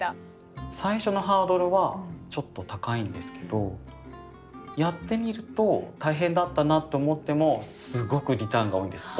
最初のハードルはちょっと高いんですけどやってみると大変だったなと思ってもすごくリターンが多いんです。